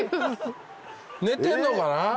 寝てんのかな？